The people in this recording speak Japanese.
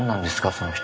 その人